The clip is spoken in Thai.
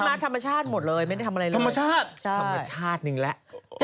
ไม่ที่มัดธรรมชาติหมดเลยไม่ได้ทำอะไรเลยใช่ธรรมชาติหนึ่งแหละ